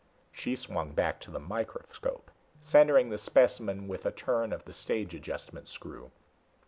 She swung back to the microscope, centering the specimen with a turn of the stage adjustment screw.